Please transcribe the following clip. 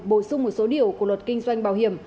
bổ sung một số điều của luật kinh doanh bảo hiểm